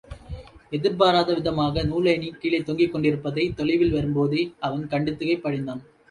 எதிர்பாராத விதமாக நூலேணி கீழே தொங்கிக்கொண்டிருப்பதைத் தொலைவில் வரும் போதே அவன் கண்டு திகைப்படைந்தான்.